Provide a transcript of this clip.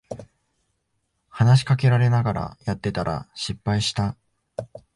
話しかけられながらやってたら失敗した